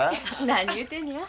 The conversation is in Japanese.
何言うてんねや。